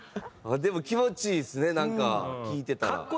でも気持ちいいですねなんか聴いてたら。